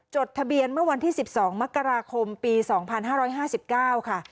จดทะเบียนเมื่อวันที่๑๒มกราคมปี๒๕๕๙ค่ะ